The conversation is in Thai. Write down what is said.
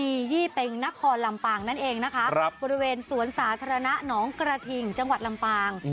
มียี่เป็งนครลำปางนั่นเองนะคะบริเวณสวนสาธารณะหนองกระทิงจังหวัดลำปาง